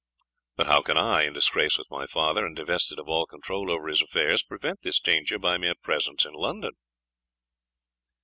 "But how can I, in disgrace with my father, and divested of all control over his affairs, prevent this danger by my mere presence in London?"